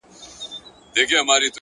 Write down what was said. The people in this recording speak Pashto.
موخه لرونکی انسان د وخت قدر ښه پېژني!.